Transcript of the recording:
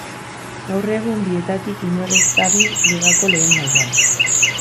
Gaur egun bietatik inor ez dabil Ligako lehen mailan.